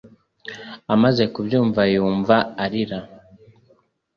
Amaze kubyumva, yumva arira